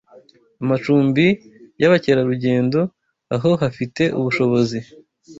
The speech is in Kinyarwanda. amacumbi y’abakerarugendo aho hafite ubushobozi